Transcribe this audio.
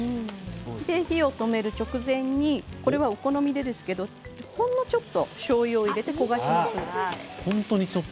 それで火を止める直前にお好みでいいですけどほんのちょっとしょうゆを入れて焦がします。